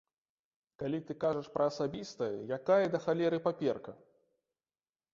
Калі ты кажаш пра асабістае, якая, да халеры, паперка?